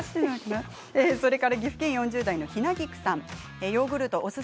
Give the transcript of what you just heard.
それから岐阜県４０代の方です。